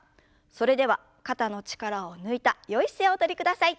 それでは肩の力を抜いたよい姿勢をおとりください。